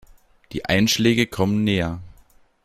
Die Einschläge kommen näher.